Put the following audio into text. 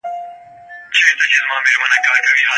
هغه کسان عموماً ښه ژوند کوي.